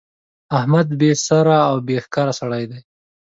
احمد بې سره او بې ښکره سړی دی.